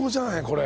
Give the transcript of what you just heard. これ。